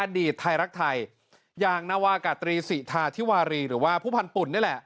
อดีตไทยรักไทยอย่างนาวากาตรีสิทาธิวารีหรือว่าผู้พันธุ่นนี่แหละ